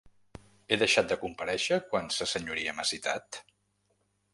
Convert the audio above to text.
He deixat de comparèixer quan sa senyoria m’ha citat?